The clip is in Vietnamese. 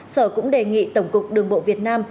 sở cũng đề nghị tổng cục đường bộ việt nam